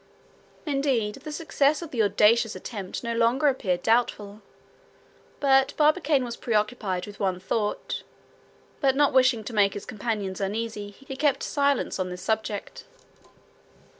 Indeed, the success of the audacious attempt no longer appeared doubtful. But Barbicane was preoccupied with one thought; but not wishing to make his companions uneasy, he kept silence on this subject.